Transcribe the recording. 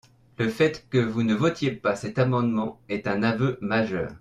Le fait que vous ne votiez pas cet amendement est un aveu majeur.